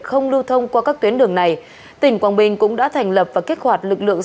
không lưu thông qua các tuyến đường này tỉnh quảng bình cũng đã thành lập và kích hoạt lực lượng